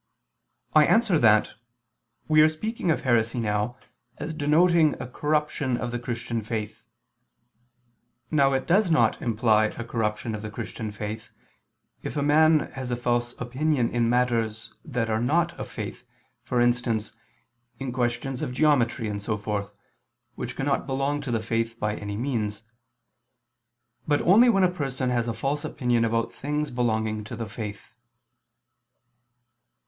I answer that, We are speaking of heresy now as denoting a corruption of the Christian faith. Now it does not imply a corruption of the Christian faith, if a man has a false opinion in matters that are not of faith, for instance, in questions of geometry and so forth, which cannot belong to the faith by any means; but only when a person has a false opinion about things belonging to the faith.